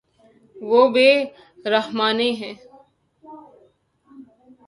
وہ بے رحمانہ ہے